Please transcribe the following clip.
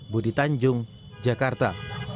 budi tanjung jakarta